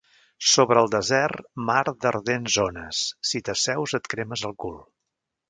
Sobre el desert, mar d'ardents ones, si t'asseus et cremes el cul.